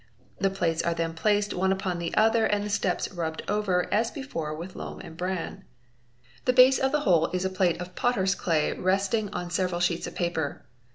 The plates are then placed one upon the other and the steps rubbed over as before with loam and bran. The base of the whole is a plate of potter's clay resting on several sheets of paper.